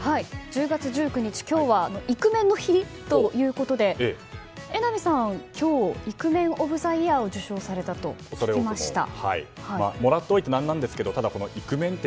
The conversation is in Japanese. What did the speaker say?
１０月１９日、今日はイクメンの日ということで榎並さん、今日イクメンオブザイヤーを受賞されたと聞きました。